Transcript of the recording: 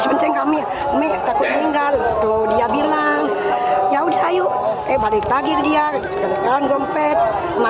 sepenceng kami takut tinggal tuh dia bilang ya udah ayo balik lagi ke dia dan gompet sama